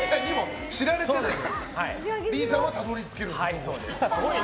ＬＥＥさんはたどり着けるんですね。